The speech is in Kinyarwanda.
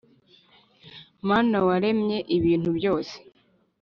Mana waremye ibintu byose